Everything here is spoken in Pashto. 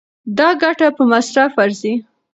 دا ګټه په مصرف ارزي.